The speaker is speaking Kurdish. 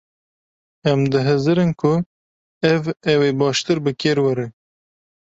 Em dihizirin ku ev ew ê baştir bi kêr were.